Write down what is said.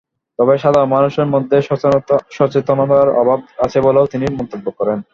তবে, সাধারণ মানুষের মধ্যে সচেতনতার অভাব আছে বলেও তিনি মন্তব্য করেন।